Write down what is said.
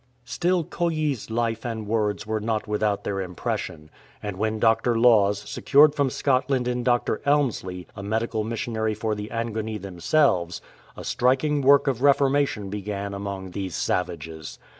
"*' o Still Koyi's life and words were not without their im pression, and when Dr. Laws secured from Scotland in Dr. Elmslie a medical missionary for the Angoni them selves, a striking work of reformation began among these savages.